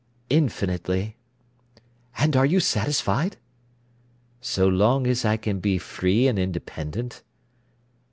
"Infinitely." "And you are satisfied?" "So long as I can be free and independent."